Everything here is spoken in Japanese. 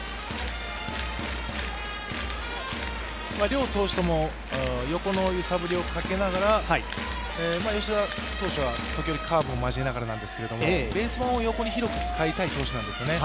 両投手とも横の揺さぶりをかけながら、吉田投手は時折カーブを交えながらなんですけれども、ベース板を横に広く使いたい投手なんですね。